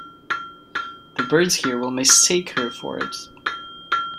The birds here will mistake her for it.